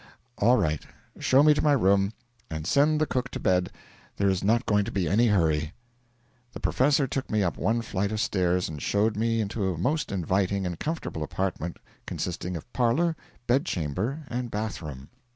'All right. Show me to my room, and send the cook to bed; there is not going to be any hurry.' The professor took me up one flight of stairs and showed me into a most inviting and comfortable apartment consisting of parlour, bedchamber, and bathroom.